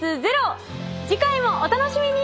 次回もお楽しみに！